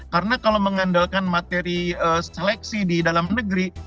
karena kalau mengandalkan materi seleksi di dalam negeri